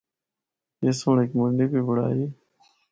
اس سنڑ ہک منڈی بھی بنڑائی۔